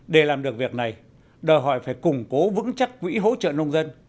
để làm được việc này đòi hỏi phải củng cố vững chắc quỹ hỗ trợ nông dân